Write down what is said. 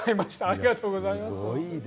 ありがとうございます。